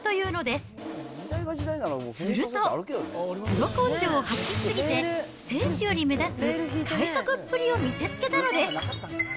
すると、プロ根性を発揮しすぎて、選手より目立つ快速っぷりを見せつけたのです。